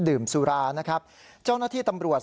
ดื่มสุรานะครับเจ้าหน้าที่ตำรวจ